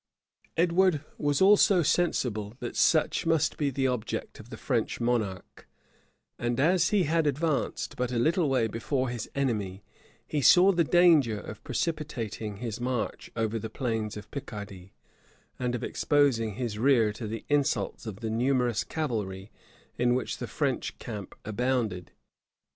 Edward also was sensible that such must be the object of the French monarch; and as he had advanced but a little way before his enemy, he saw the danger of precipitating his march over the plains of Picardy, and of exposing his rear to the insults of the numerous cavalry in which the French camp abounded.